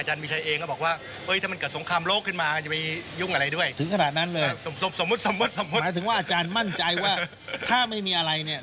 หมายถึงว่าอาจารย์มั่นใจว่าถ้าไม่มีอะไร